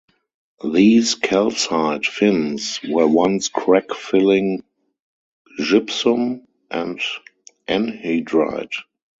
These calcite fins were once crack filling gypsum and anhydrite.